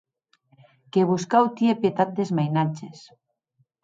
Que vos cau tier pietat des mainatges.